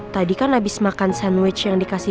tadi kan abis makan sandwich